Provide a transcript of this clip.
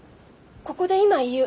ここで今言う。